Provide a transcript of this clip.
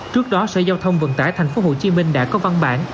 trước đó xe giao thông vận tải thành phố hồ chí minh đã có văn bản